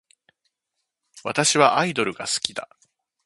私はアイドルが好きだ